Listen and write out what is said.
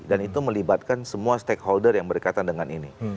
dan itu melibatkan semua stakeholder yang berkaitan dengan ini